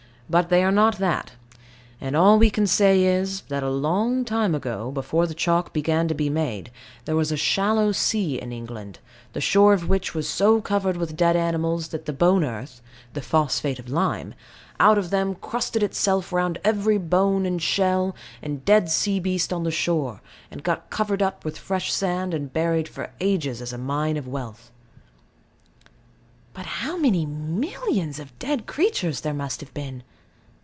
But they are not that; and all we can say is, that a long time ago, before the chalk began to be made, there was a shallow sea in England, the shore of which was so covered with dead animals, that the bone earth (the phosphate of lime) out of them crusted itself round every bone, and shell, and dead sea beast on the shore, and got covered up with fresh sand, and buried for ages as a mine of wealth. But how many millions of dead creatures, there must have been!